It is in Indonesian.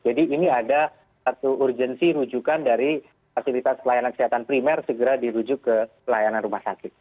jadi ini ada satu urgensi rujukan dari fasilitas pelayanan kesehatan primer segera dirujuk ke pelayanan rumah sakit